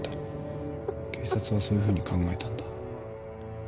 警察はそういうふうに考えたんだ。